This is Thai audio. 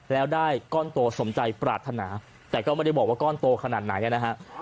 แล้วได้ก้อนโตสมใจปรารถนาแต่ก็ไม่ได้บอกว่าก้อนโตขนาดไหนนะฮะ